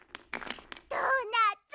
ドーナツ！